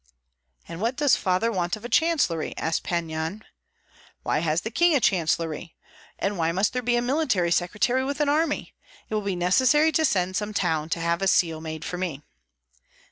"And what does father want of a chancellery?" asked Pan Yan. "Why has the king a chancellery? And why must there be a military secretary with an army? It will be necessary to send to some town to have a seal made for me."